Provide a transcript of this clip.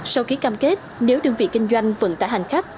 sau ký cam kết nếu đơn vị kinh doanh vận tải hành khách